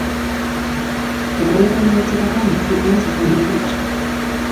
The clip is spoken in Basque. Bordeleko Unibertsitatean egin zituen Zuzenbideko ikasketak.